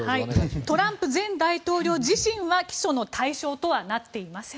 トランプ前大統領自身は起訴の対象とはなっていません。